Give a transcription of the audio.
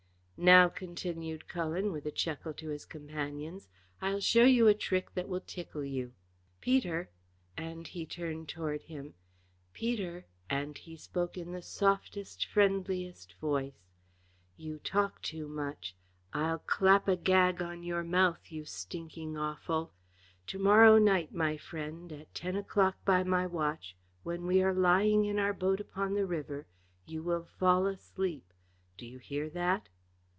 "Now," continued Cullen, with a chuckle to his companions, "I'll show you a trick that will tickle you. Peter," and he turned toward him. "Peter," and he spoke in the softest, friendliest voice, "you talk too much. I'll clap a gag on your mouth, you stinking offal! To morrow night, my friend, at ten o'clock by my watch, when we are lying in our boat upon the river, you will fall asleep. Do you hear that?"